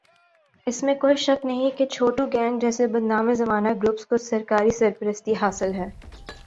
اس میں کوئ شک نہیں کہ چھوٹو گینگ جیسے بدنام زمانہ گروپس کو سرکاری سرپرستی حاصل ہے